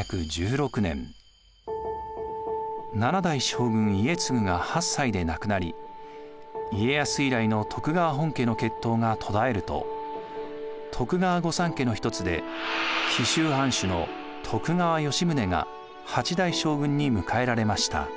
７代将軍・家継が８歳で亡くなり家康以来の徳川本家の血統が途絶えると徳川御三家の一つで紀州藩主の徳川吉宗が８代将軍に迎えられました。